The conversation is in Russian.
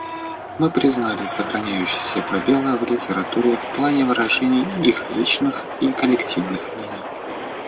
Мы признали сохраняющиеся пробелы в литературе в плане выражения их личных и коллективных мнений.